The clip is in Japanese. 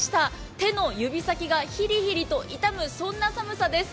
手の指先がヒリヒリと痛む、そんな寒さです。